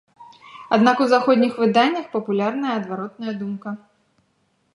Аднак у заходніх выданнях папулярная адваротная думка.